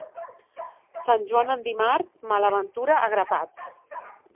Sant Joan en dimarts, mala ventura a grapats.